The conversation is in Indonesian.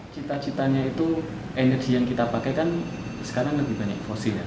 cita citanya itu energi yang kita pakai kan sekarang lebih banyak fosil ya